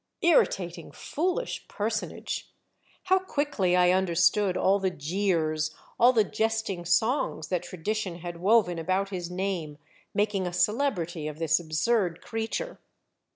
Irritating, foolish personage ! How quickly I understood all the jeers, all the jesting songs that tradition had woven about his name, making a celebrity of this absurd creature